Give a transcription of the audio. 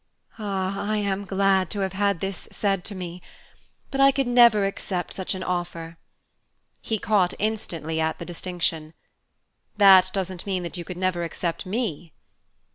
"Ah, I am glad to have had this said to me! But I could never accept such an offer." He caught instantly at the distinction. "That doesn't mean that you could never accept _me?